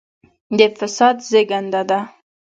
د فساد زېږنده ده.